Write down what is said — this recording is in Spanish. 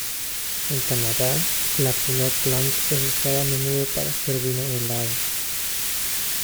En Canadá, la pinot blanc es usada a menudo para hacer vino helado.